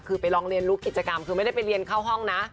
คือไปลองเรียนรู้กิจกรรมคือไม่ได้ไปเรียนเข้าห้องนะ